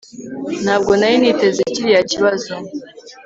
ntabwo nari niteze kiriya kibazo